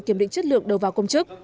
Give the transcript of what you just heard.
kiểm định chất lượng đầu vào công chức